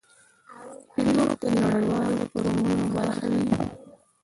پیلوټ د نړیوالو فورمونو برخه وي.